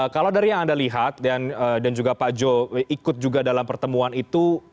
kalau dari yang anda lihat dan juga pak jo ikut juga dalam pertemuan itu